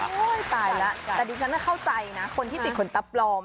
โอ้โฮตายละแต่เดี๋ยวฉันเข้าใจนะคนที่ติดขนตาปลอม